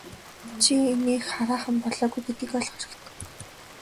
Чи инээх хараахан болоогүй гэдгийг ойлгох хэрэгтэй.